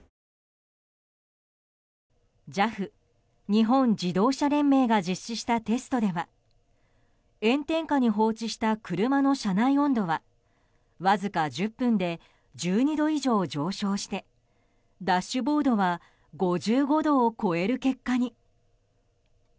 ＪＡＦ・日本自動車連盟が実施したテストでは炎天下に放置した車の車内温度はわずか１０分で１２度以上上昇してダッシュボードは５５度を超える結果に。